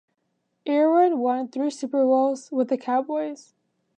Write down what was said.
Irvin won three Super Bowls with the Cowboys.